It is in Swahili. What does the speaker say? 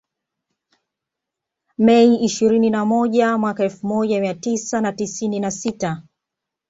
Mei ishirini na moja mwaka elfu moja mia tisa na tisini na sita